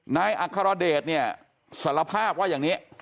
นายอัครเดชเนี่ยสารภาพว่าอย่างนี้